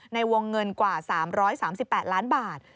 ในวงเงินกว่า๓๓๘ล้านบาท